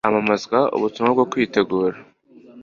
hamamazwa ubutumwa bwo kwitegura